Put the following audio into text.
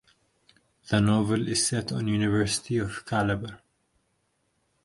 The novel is set on University of Calabar.